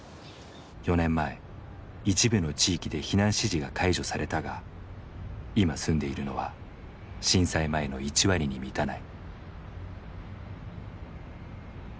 ４年前一部の地域で避難指示が解除されたが今住んでいるのは震災前の１割に満たない。